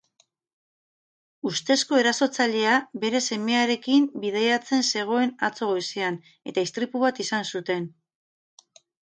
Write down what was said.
Ustezko erasotzailea bere semearekin bidaiatzen zegoen atzo goizean eta istripu bat izan zuten.